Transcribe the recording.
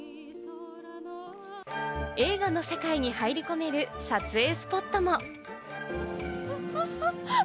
映画の世界に入り込める撮影スポットも。